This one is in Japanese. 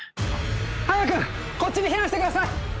早くこっちに避難してください！